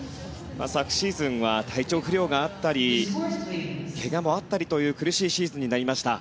昨シーズンは体調不良があったり怪我もあったりという苦しいシーズンになりました。